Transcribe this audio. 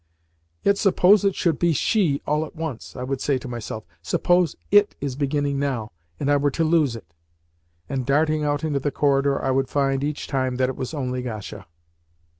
"Yet suppose it should be SHE all at once?" I would say to myself. "Suppose IT is beginning now, and I were to lose it?" and, darting out into the corridor, I would find, each time, that it was only Gasha.